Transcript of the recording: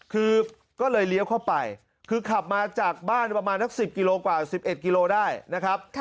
คือก็เลยเลี้ยวเข้าไปคือขับมาจากบ้านประมาณสัก๑๐กิโลกว่า๑๑กิโลได้นะครับ